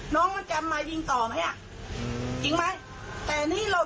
น้องมันจะมายิงต่อไหมฮะครับ